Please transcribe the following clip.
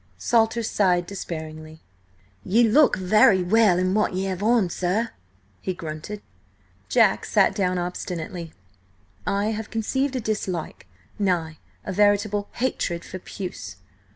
Salter sighed despairingly. "Ye look very well in what ye have on, sir," he grunted. Jack sat down obstinately. "I have conceived a dislike–nay, a veritable hatred–for puce.